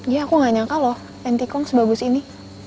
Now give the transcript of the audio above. iya aku gak nyangka loh nt kong sebagus ini